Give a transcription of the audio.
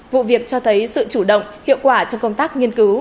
vụ việc cho thấy sự chủ động hiệu quả trong công tác nghiên cứu